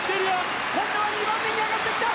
本多は２番目に上がってきた。